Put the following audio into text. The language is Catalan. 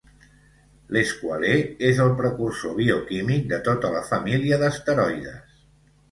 L'esqualè és el precursor bioquímic de tota la família d'esteroides.